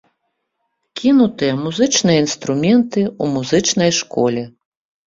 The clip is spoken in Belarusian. Кінутыя музычныя інструменты ў музычнай школе.